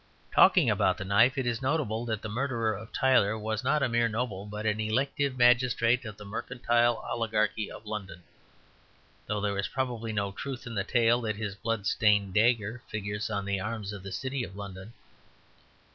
Talking about the knife, it is notable that the murderer of Tyler was not a mere noble but an elective magistrate of the mercantile oligarchy of London; though there is probably no truth in the tale that his blood stained dagger figures on the arms of the City of London.